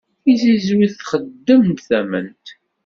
Tizizwit txeddem-d tament.